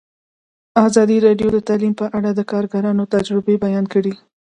ازادي راډیو د تعلیم په اړه د کارګرانو تجربې بیان کړي.